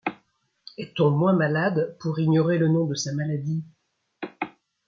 Est-on moins malade pour ignorer le nom de sa maladie ?